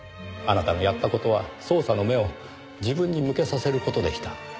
あなたのやった事は捜査の目を自分に向けさせる事でした。